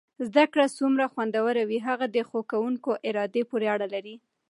زده کړه څومره خوندور وي هغه د ښو کوونکو ارادې پورې اړه لري.